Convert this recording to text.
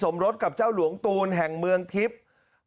แถลงการแนะนำพระมหาเทวีเจ้าแห่งเมืองทิพย์